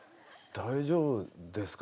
大丈夫ですか？